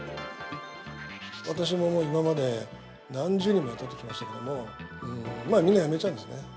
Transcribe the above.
私ももう今まで何十人も雇ってきましたけれども、みんな辞めちゃうんですね。